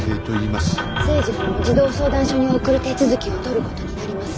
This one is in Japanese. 征二君を児童相談所に送る手続きをとることになります。